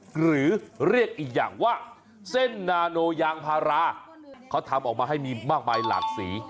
หรือเรียกอีกอย่างว่าเส้นนาโนยางพาราเขาทำออกมาให้มีมากมายหลากสี